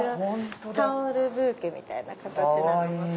タオルブーケみたいな形なども。